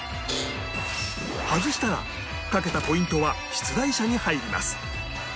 外したら賭けたポイントは出題者に入ります